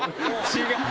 違う！